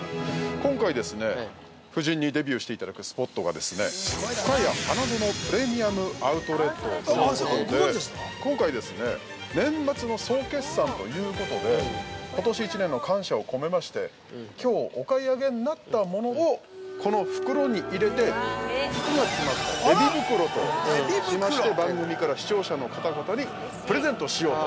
今回ですね、夫人にデビューしていただくスポットがですねふかや花園プレミアム・アウトレットということで今回、年末の総決算ということでことし１年の感謝を込めましてきょうお買い上げになったものをこの袋に入れて、福が詰まったデヴィ袋としまして番組から視聴者の方々にプレゼントしようと。